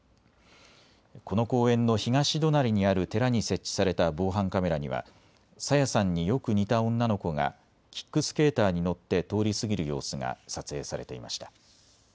この公園の東隣にある寺に設置された防犯カメラには朝芽さんによく似た女の子がキックスケーターに乗って通り過ぎる様子が撮影されていました。